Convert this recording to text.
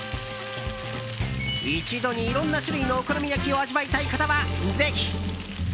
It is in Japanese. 一度にいろんな種類のお好み焼きを味わいたい方はぜひ。